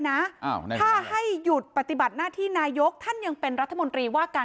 ถ้าให้หยุดปฏิบัติหน้าที่นายกท่านยังเป็นรัฐมนตรีว่าการ